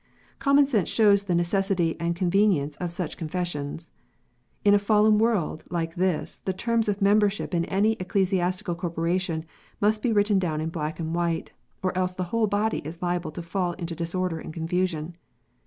Com mon sense shows the necessity and convenience of such Confes sions. In a fallen world like this the terms of membership in any ecclesiastical corporation must be written down in black and white, or else the whole body is liable to fall into disorder and confusion.